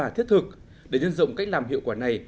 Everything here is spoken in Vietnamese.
thực để nhân rộng cách làm hiệu quả này